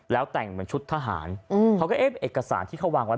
แล้วแต่งเหมือนชุดทหารเขาก็เอ๊ะเอกสารที่เขาวางไว้